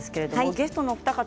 ゲストのお二方